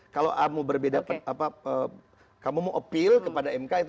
kalau kamu mau appeal kepada mk itu